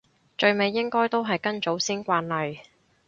最尾應該都係跟祖先慣例